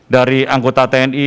dari anggota tni